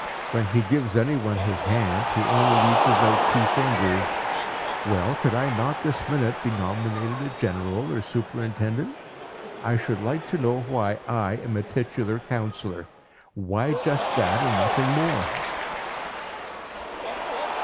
When he gives anyone his hand, he only reaches out two fingers. Well, could not I this minute be nominated a general or a superintendent? I should like to know why I am a titular councillor why just that, and nothing more?